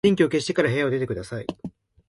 電気を消してから部屋を出てください。